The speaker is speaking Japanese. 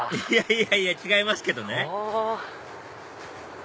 いやいや違いますけどね